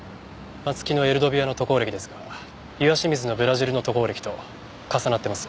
松木のエルドビアの渡航歴ですが岩清水のブラジルの渡航歴と重なってます。